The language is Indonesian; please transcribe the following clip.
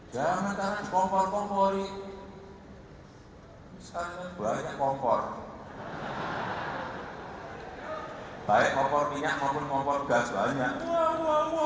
jangan jangan kompor kompori misalnya banyak kompor baik kompor minyak maupun kompor gas banyak